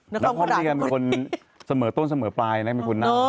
นาคมดะดันคงเป็นเป็นคนสม่เออต้นสม่เออปลายนะพี่คุณนัก